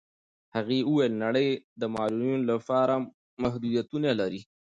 هغې وویل نړۍ د معلولینو لپاره لاهم محدودیتونه لري.